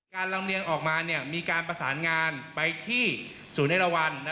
การรังเรียงออกมามีการประสานงานไปที่ศูนย์แรมวัล